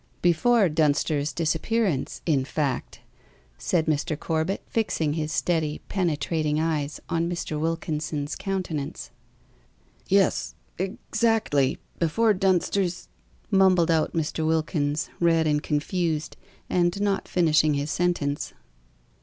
"Before Dunster's disappearance, in fact," said Mr. Corbet, fixing his steady, penetrating eyes on Mr. Wilkins's countenance. "Yes exactly before Dunster's " mumbled out Mr. Wilkins, red and confused, and not finishing his sentence.